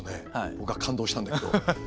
僕は感動したんだけど。